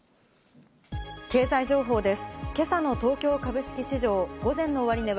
経済情報です。